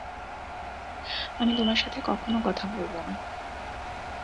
আমি তোমার সাথে কখনো কথা বলবো না।